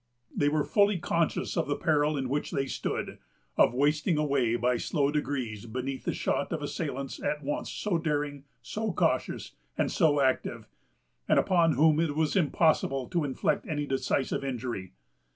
They were fully conscious of the peril in which they stood, of wasting away by slow degrees beneath the shot of assailants at once so daring, so cautious, and so active, and upon whom it was impossible to inflict any decisive injury.